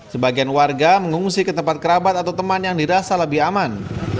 sebagian warga mengungsi ke tempat kerabat atau teman yang dirasa lebih aman